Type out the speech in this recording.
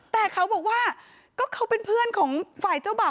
แต่เขาบอกว่าก็เขาเป็นเพื่อนของฝ่ายเจ้าบ่าว